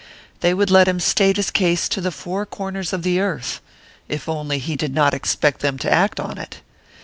They would let him state his case to the four corners of the earth if only he did not expect them to act on it!